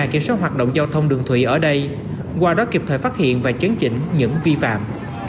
kiểm soát hoạt động giao thông đường thủy ở đây qua đó kịp thời phát hiện và chấn chỉnh những vi phạm